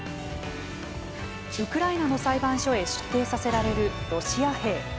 ウクライナの裁判所へ出廷させられるロシア兵。